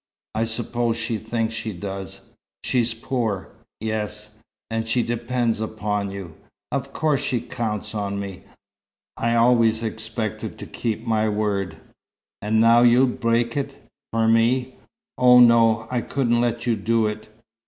"I suppose she thinks she does." "She's poor?" "Yes." "And she depends upon you." "Of course she counts on me. I always expected to keep my word." "And now you'd break it for me! Oh, no, I couldn't let you do it.